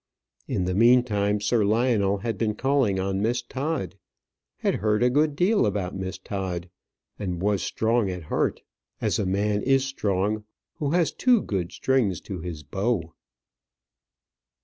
In the meantime, Sir Lionel had been calling on Miss Todd had heard a good deal about Miss Todd; and was strong at heart, as a man is strong who has two good strings to his bow.